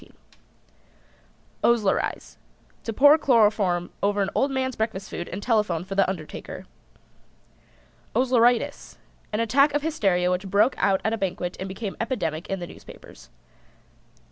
OSLERIZE. To pour chloroform over an old man's breakfast food and telephone for the undertaker. OSLERITIS. An attack of hysteria which broke out at a banquet and became epidemic in the newspapers.